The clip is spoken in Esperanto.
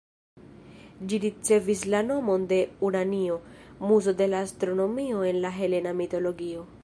Ĝi ricevis la nomon de Uranio, muzo de la astronomio en la helena mitologio.